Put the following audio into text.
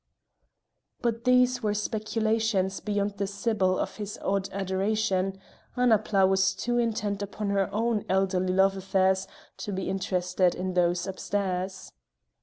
But these were speculations beyond the sibyl of his odd adoration; Annapla was too intent upon her own elderly love affairs to be interested in those upstairs.